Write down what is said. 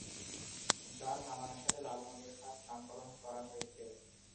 যার নামানুসারে লালমনিরহাট নামকরণ করা হয়েছে।